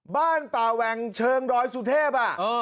บ้านป่าแหว่งเชิงดอยสุเทพ